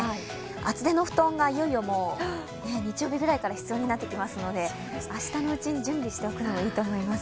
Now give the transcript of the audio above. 厚手の布団がいよいよ日曜日ぐらいから必要になってきますので明日のうちに準備しておくのもいいと思います。